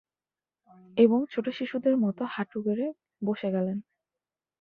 এবং ছোট শিশুদের মতো হাঁটু গেড়ে বসে গেলেন।